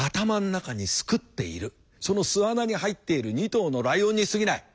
その巣穴に入っている２頭のライオンにすぎない。